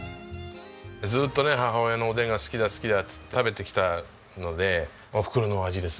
ずっとね母親のおでんが好きだ好きだって食べてきたのでおふくろの味ですね。